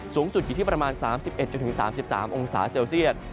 สูงสุดอยู่ที่ประมาณ๓๑๓๓องศาเซลเซียต